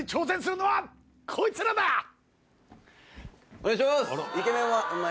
お願いします！